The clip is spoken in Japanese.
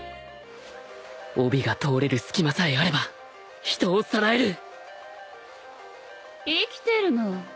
帯が通れる隙間さえあれば人をさらえる生きてるの。